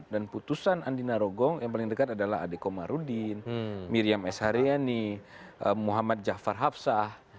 dan putusan andina rogong yang paling dekat adalah adeko marudin miriam esaryeni muhammad jafar hafsah